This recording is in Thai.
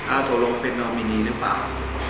อ้าโตรงเป็นเอามิณีรึเปล่า